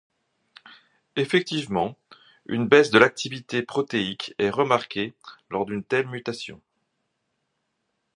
Effectivement, une baisse de l’activité protéique est remarquée lors d’une telle mutation.